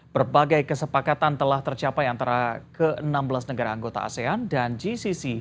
berbagai kesepakatan telah tercapai antara ke enam belas negara anggota asean dan gcc